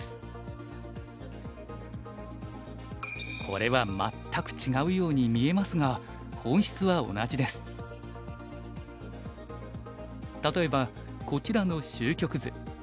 これは全く違うように見えますが例えばこちらの終局図。